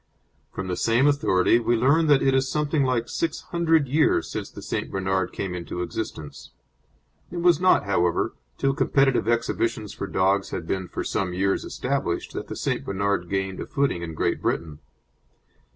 From the same authority we learn that it is something like six hundred years since the St. Bernard came into existence. It was not, however, till competitive exhibitions for dogs had been for some years established that the St. Bernard gained a footing in Great Britain.